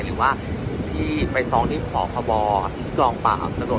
หรือว่าที่ใบซองที่พขวาบอท์หรือกองปาวศโดด